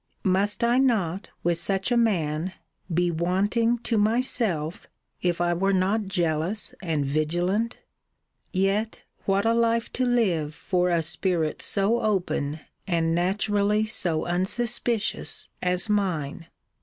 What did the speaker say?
Must I not, with such a man, be wanting to myself, if I were not jealous and vigilant? Yet what a life to live for a spirit so open, and naturally so unsuspicious, as mine?